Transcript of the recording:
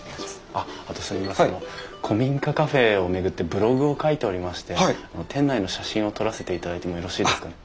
あの古民家カフェを巡ってブログを書いておりまして店内の写真を撮らせていただいてもよろしいですかね？